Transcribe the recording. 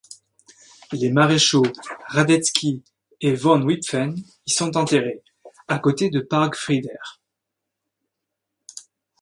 Les maréchaux Radetzky et von Wimpffen y sont enterrés à côté de Pargfrieder.